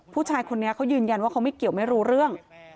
ผู้ชายคนนี้เขายืนยันว่าเขาไม่เกี่ยวไม่รู้เรื่อง